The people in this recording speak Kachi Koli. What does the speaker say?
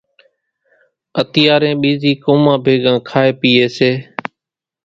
اتيارين ٻيزِي قومان ڀيڳان کائيَ پيئيَ سي۔